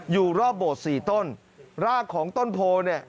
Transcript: อยู่รอบบทสี่ต้นรากของต้นโพธิ์นี่